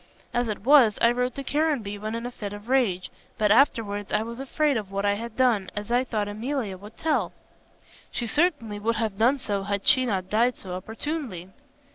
As it was, I wrote to Caranby when in a fit of rage; but afterwards I was afraid of what I had done, as I thought Emilia would tell." "She certainly would have done so had she not died so opportunely."